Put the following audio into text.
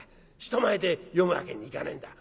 人前で読むわけにいかねえんだ。